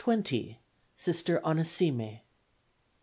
Sister Onesime.